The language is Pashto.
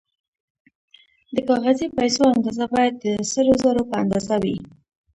د کاغذي پیسو اندازه باید د سرو زرو په اندازه وي